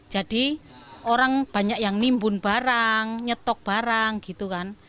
jadi orang banyak yang nimbun barang nyetok barang gitu kan